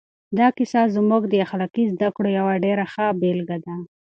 دا کیسه زموږ د اخلاقي زده کړو یوه ډېره ښه بېلګه ده.